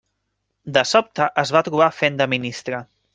De sobte es va trobar fent de ministre.